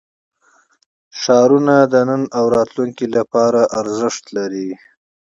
ښارونه د نن او راتلونکي لپاره ارزښت لري.